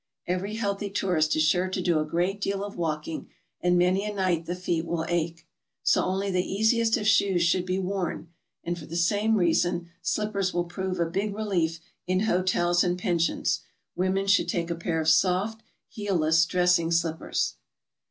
Every healthy tourist is sure to do a great deal of walking, and many a night the feet will ache. So only the easiest of shoes should be worn, and, for the same reason, slippers will prove a big relief in hotels and pensions. Women should take a pair of soft, heelless dressing slippers.